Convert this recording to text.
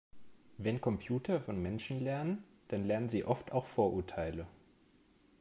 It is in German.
Wenn Computer von Menschen lernen, dann lernen sie oft auch Vorurteile.